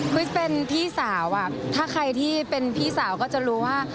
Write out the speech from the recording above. ริสเป็นพี่สาวถ้าใครที่เป็นพี่สาวก็จะรู้ว่า